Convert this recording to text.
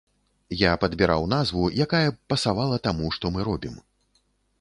Я падбіраў назву, якая б пасавала таму, што мы робім.